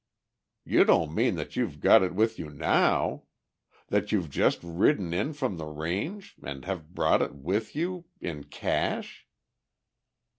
"You don't mean that you've got it with you now? That you've just ridden in from the range and have brought it with you ... in cash!"